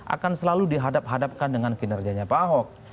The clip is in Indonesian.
akan selalu dihadap hadapkan dengan kinerjanya pak ahok